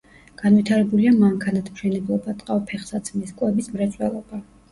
განვითარებულია მანქანათმშენებლობა, ტყავ-ფეხსაცმლის, კვების მრეწველობა.